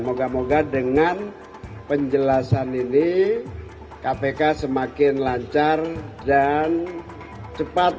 moga moga dengan penjelasan ini kpk semakin lancar dan cepat